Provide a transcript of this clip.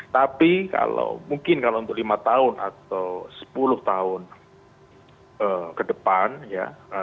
tapi kalau mungkin kalau untuk lima tahun atau sepuluh tahun ke depan ya